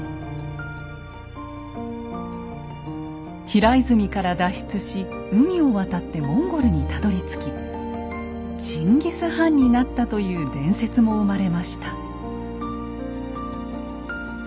平泉から脱出し海を渡ってモンゴルにたどりつきチンギス・ハンになったという伝説も生まれました。